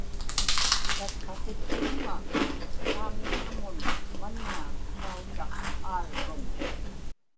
tatqakiptumuŋa kaamniġmun manna kautaq aarruŋ